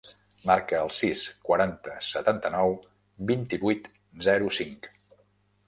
Marca el sis, quaranta, setanta-nou, vint-i-vuit, zero, cinc.